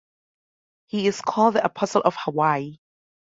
He is called the Apostle of Hawaii.